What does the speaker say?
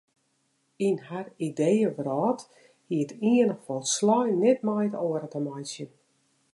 Yn har ideeëwrâld hie it iene folslein net met it oare te meitsjen.